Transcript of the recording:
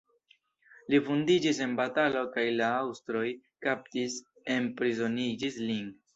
Li vundiĝis en batalo kaj la aŭstroj kaptis, enprizonigis lin.